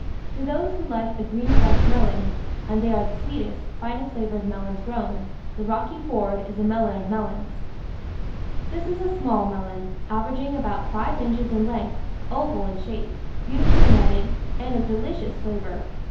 To those who like a green fleshed melon — and they are the sweetest, finest flavoured melons grown — the Rocky Ford is the melon of melons. This is a small melon, averaging VINE VEGETABLES AND FRUITS about five inches in length, oval in shape, beautiful ly netted, and of delicious flavour.